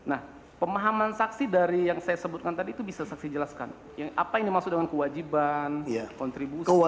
nah pemahaman saksi dari yang saya sebutkan tadi itu bisa saksi jelaskan apa yang dimaksud dengan kewajiban kontribusi